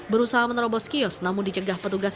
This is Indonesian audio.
berusaha menerobos kios namun dicegah petugas